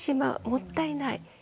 もったいない。